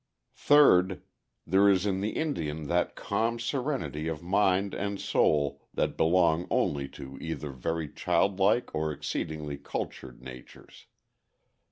Third: There is in the Indian that calm serenity of mind and soul that belong only to either very childlike or exceedingly cultured natures.